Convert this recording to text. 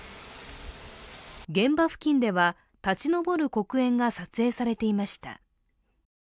現場付近では、立ち上る黒煙が撮影されていました。